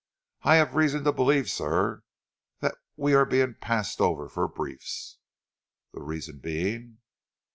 I have reason to believe, sir, that we are being passed over for briefs." "The reason being?"